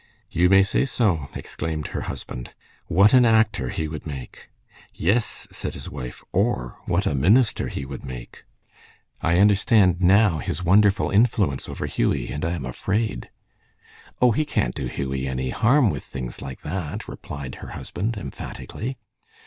"You may say so," exclaimed her husband. "What an actor he would make!" "Yes," said his wife, "or what a minister he would make! I understand, now, his wonderful influence over Hughie, and I am afraid." "O, he can't do Hughie any harm with things like that," replied her husband, emphatically.